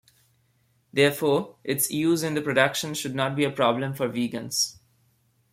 Therefore, its use in the production should not be a problem for vegans.